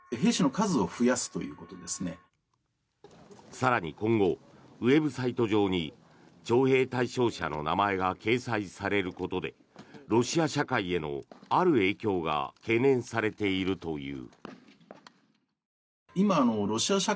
更に、今後ウェブサイト上に徴兵対象者の名前が掲載されることでロシア社会へのある影響が懸念されているという。